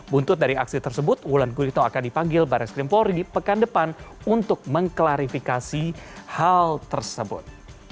buntut dari aksi tersebut wulan guritno akan dipanggil barang skrimpori di pekan depan untuk mengklarifikasi hal tersebut